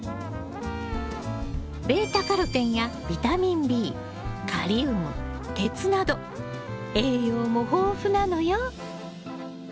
β−カロテンやビタミンＢカリウム鉄など栄養も豊富なのよ。